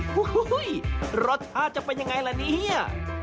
โอ้โหรสชาติจะเป็นยังไงล่ะเนี่ย